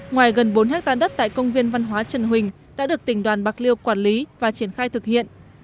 ngoài gần bốn hectare đất tại công viên văn hóa trần huỳnh đã được tỉnh đoàn bạc liêu quản lý và triển khai thực hiện